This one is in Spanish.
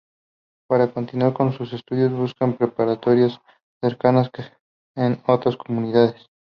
Para continuar con los estudios se buscan preparatorias cercanas en otras comunidades.